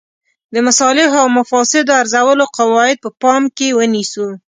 د مصالحو او مفاسدو ارزولو قواعد په پام کې ونیسو.